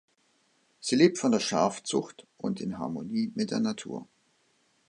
Sie lebt von der Schafzucht und in Harmonie mit der Natur.